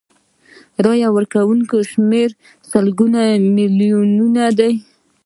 د رایې ورکوونکو شمیر سلګونه میلیونه دی.